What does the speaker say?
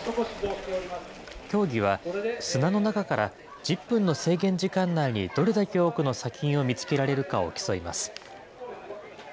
競技は、砂の中から１０分の制限時間内にどれだけ多くの砂金を見つけられるかを競います。